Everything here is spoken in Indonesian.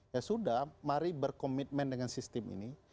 ya sudah mari berkomitmen dengan sistem ini